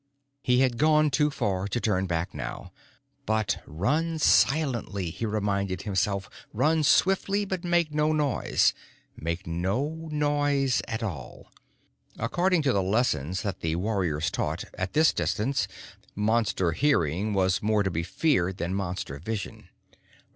He had gone too far to turn back now. But run silently, he reminded himself: run swiftly but make no noise, make no noise at all. According to the lessons that the warriors taught, at this distance Monster hearing was more to be feared than Monster vision.